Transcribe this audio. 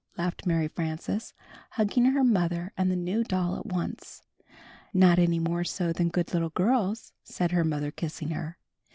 laughed Mary Frances, hugging her mother and the new doll at once. ^a jy..^^(^^ ^f "Not any more so than good little daughters," j^f^*^^^"^^ said her mother, kissing her.